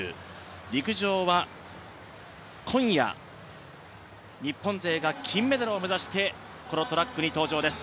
陸上は今夜、日本勢が金メダルを目指してこのトラックに登場です。